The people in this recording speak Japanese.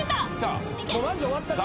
マジ終わったって。